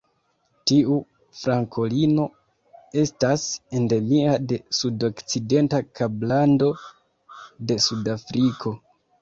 Tiu frankolino estas endemia de sudokcidenta Kablando de Sudafriko.